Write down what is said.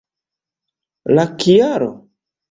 La kialo?